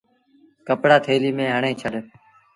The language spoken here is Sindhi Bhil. ڪپڙآ ٿيلي ميݩ هڻي ڇڏ۔